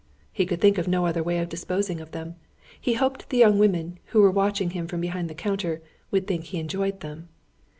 He could think of no other way of disposing of them. He hoped the young women who were watching him from behind the counter, would think he enjoyed them.